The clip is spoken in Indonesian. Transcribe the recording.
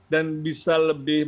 dan bisa lebih